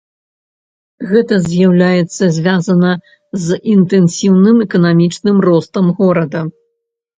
Гэта з'яўляецца звязана з інтэнсіўным эканамічным ростам горада.